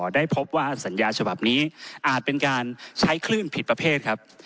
ได้พบว่าสัญญาฉบับนี้อาจเป็นการใช้คลื่นผิดประเภทครับ